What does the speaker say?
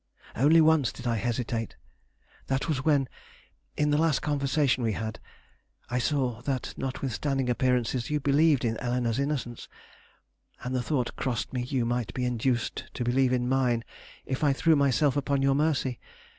Only once did I hesitate. That was when, in the last conversation we had, I saw that, notwithstanding appearances, you believed in Eleanore's innocence, and the thought crossed me you might be induced to believe in mine if I threw myself upon your mercy.